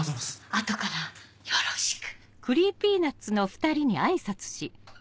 あとからよろしく。